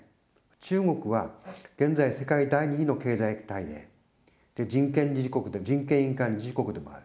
中国は現在、世界第２位の経済大国で、人権委員会の理事国でもある。